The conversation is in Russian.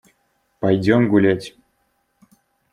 Пойдем гулять!